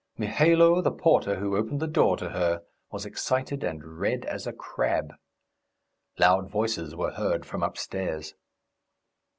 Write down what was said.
Mihailo, the porter who opened the door to her, was excited and red as a crab. Loud voices were heard from upstairs.